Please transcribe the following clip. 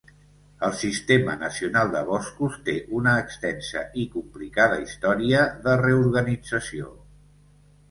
El Sistema Nacional de Boscos té una extensa i complicada història de reorganització.